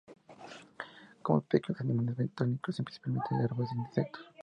Come pequeños animales bentónicos, principalmente larvas de insectos.